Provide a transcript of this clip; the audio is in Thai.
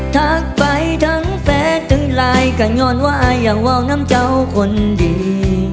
ทักไปทั้งแฟนทั้งไลน์ก็งอนว่าอย่าว่าวน้ำเจ้าคนดี